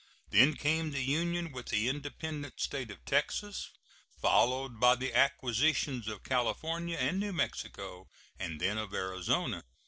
Then came the union with the independent State of Texas, followed by the acquisitions of California and New Mexico, and then of Arizona.